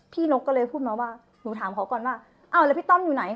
นกก็เลยพูดมาว่าหนูถามเขาก่อนว่าอ้าวแล้วพี่ต้อมอยู่ไหน